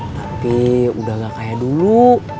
tapi sudah tidak seperti dulu